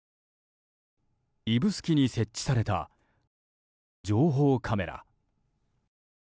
指宿に設置された情報カメラ。